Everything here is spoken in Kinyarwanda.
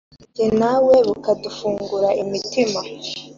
Njye nawe bukadufungura imitima